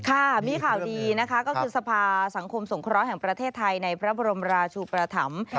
ค่ะมีข่าวดีนะคะก็คือสภาสังคมสงเคราะห์แห่งประเทศไทยในพระบรมราชูประถำ